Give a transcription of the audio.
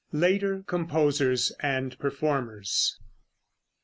LATER COMPOSERS AND PERFORMERS.